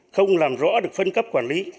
không làm rõ được phân cấp quản lý